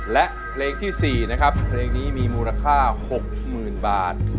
และเพลงที่๔นะครับเพลงนี้มีมูลค่า๖๐๐๐บาท